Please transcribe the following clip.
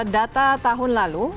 data tahun lalu